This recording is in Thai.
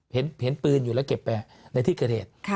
เห็นปืนอยู่แล้วเก็บไปในที่เกิดเหตุ